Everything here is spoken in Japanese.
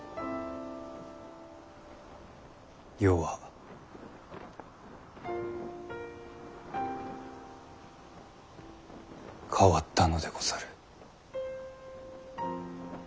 世は変わったのでござる。